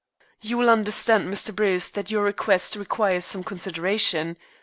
"You will understand, Mr. Bruce, that your request requires some consideration.